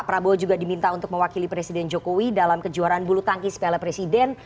kemudian juga diminta untuk mewakili presiden jokowi dalam kejuaraan bulu tangki spele presiden